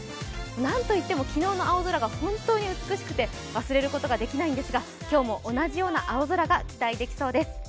なんといっても昨日の青空が本当に美しくて忘れることができないんですが、今日も同じような青空が期待できそうです。